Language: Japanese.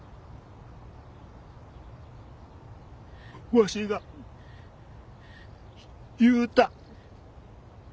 わしが言うた。